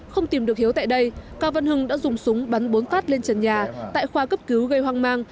không tìm được hiếu tại đây cao văn hưng đã dùng súng bắn bốn phát lên trần nhà tại khoa cấp cứu gây hoang mang